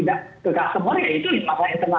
jadi saya pikir memang nyai tabi masalah denial itu gitu loh